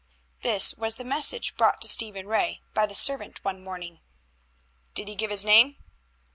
This was the message brought to Stephen Ray by the servant one morning. "Did he give his name?"